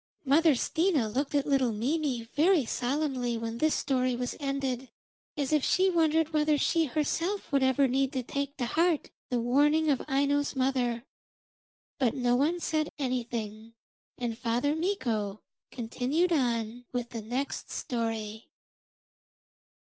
Mother Stina looked at little Mimi very solemnly when this story was ended, as if she wondered whether she herself would ever need to take to heart the warning of Aino's mother. But no one said anything, and Father Mikko continued on with the next story.